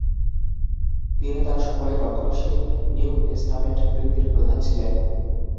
তিনি তার সময়ের রক্ষণশীল নিউ টেস্টামেন্ট বৃত্তির প্রধান ছিলেন।